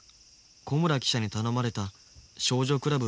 小村記者に頼まれた「少女クラブ」